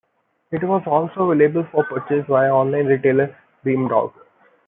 It was also available for purchase via online retailer Beamdog.